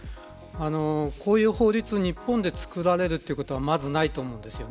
こういう法律日本でつくられることはまずないと思うんです。